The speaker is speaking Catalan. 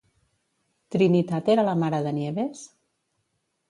Trinitat era la mare de Nieves?